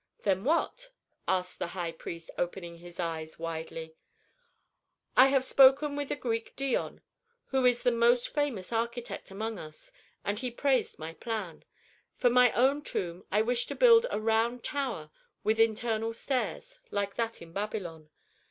"Then what?" asked the high priest, opening his eyes widely. "I have spoken with the Greek Dion, who is the most famous architect among us, and he praised my plan. For my own tomb I wish to build a round tower with internal stairs, like that in Babylon.